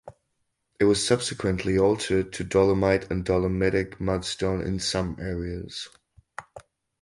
It was subsequently altered to dolomite and dolomitic mudstone in some areas.